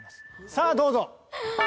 さあどうぞ！